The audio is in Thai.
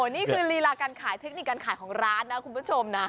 นี่คือลีลาการขายเทคนิคการขายของร้านนะคุณผู้ชมนะ